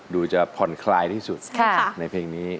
ดูจะผ่อนคลายที่สุดในเพลงนี้